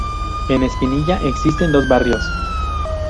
En Espinilla existen dos barrios.